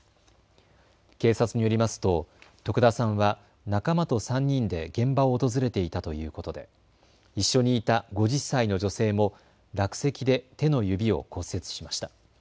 警察によりますと徳田さんは仲間と３人で現場を訪れていたということで一緒にいた５０歳の女性も落石で手の指を骨折しました。